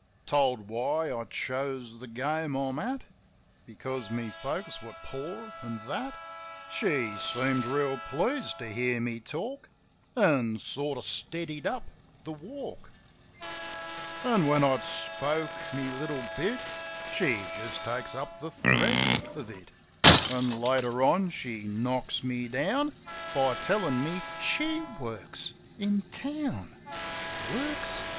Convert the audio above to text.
Told why I chose the game I'm at Because my folks were poor, an' that. She seemed reel pleased to hear me talk. An' sort of steadied up the walk. An' when I'd spoke my little bit, She just takes up the thread of it; An' later on, near knocks me down By tellin' me she works — in town. Works?